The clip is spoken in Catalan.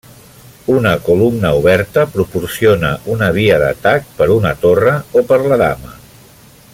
Una columna oberta proporciona una via d'atac per una torre o per la dama.